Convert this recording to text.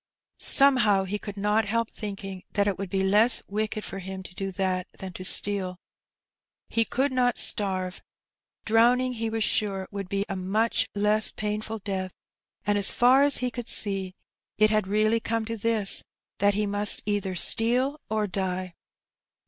Somehow he could not help thinking that it would be less wicked for him to do that than to steal. He could not starve; drowning he was sure would be a much less painful death; and, as far as he could see, it had really come to this, that he must either steal or die.